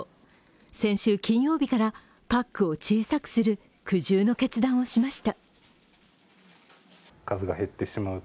先週金曜日からパックを小さくする苦渋の決断をしました。